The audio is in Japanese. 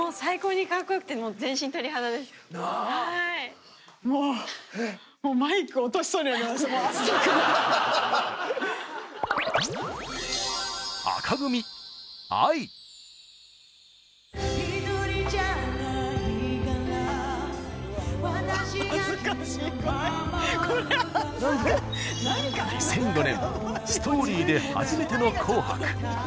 ２００５年「Ｓｔｏｒｙ」で初めての「紅白」。